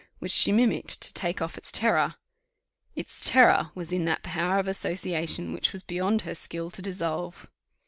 which she mimicked to take off its terror; its terror was in that power of association which was beyond her skill to dissolve.